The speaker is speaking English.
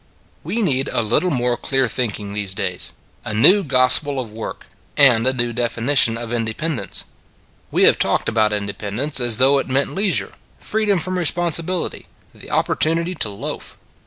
We need a little more clear thinking ii8 It s a Good Old World these days a new gospel of work, and a new definition of independence. We have talked about independence as though it meant leisure, freedom from responsibility, the opportunity to loaf.